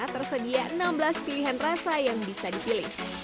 tersedia enam belas pilihan rasa yang bisa dipilih